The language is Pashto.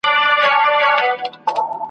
له دې مالت او له دې ښاره شړم `